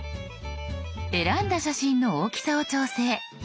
選んだ写真の大きさを調整。